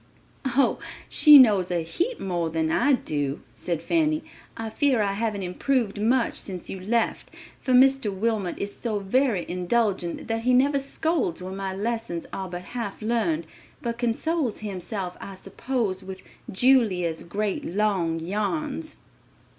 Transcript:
"Oh, she knows a 'heap' more than I do," said Fanny, "I fear I haven't improved much since you left, for Mr. Wilmot is so very indulgent that he never scolds when my lessons are but half learned, but consoles himself, I suppose, with Julia's great long yarns."